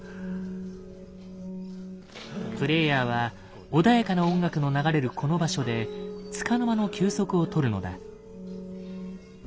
プレイヤーは穏やかな音楽の流れるこの場所でつかの間の休息を取るのだ。